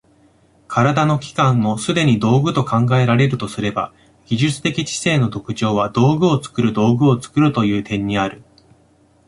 身体の器官もすでに道具と考えられるとすれば、技術的知性の特徴は道具を作る道具を作るという点にある。